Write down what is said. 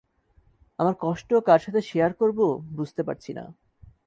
আমার কষ্ট কার সাথে শেয়ার করবো বুঝতে পারছি না।